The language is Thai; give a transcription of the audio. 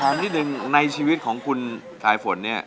นิดนึงในชีวิตของคุณทายฝนเนี่ย